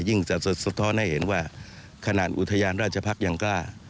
จะสะท้อนให้เห็นว่าขนาดอุทยานราชพักษ์ยังกล้า